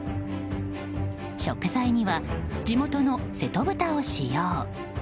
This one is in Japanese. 食材には地元の瀬戸豚を使用。